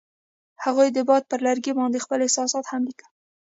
هغوی د باد پر لرګي باندې خپل احساسات هم لیکل.